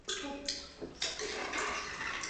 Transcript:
教学设施完善。